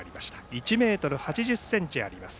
１ｍ８０ｃｍあります。